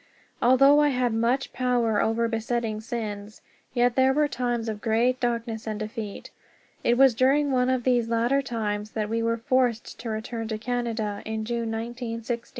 Although I had much more power over besetting sins, yet there were times of great darkness and defeat. It was during one of these latter times that we were forced to return to Canada, in June of 1916.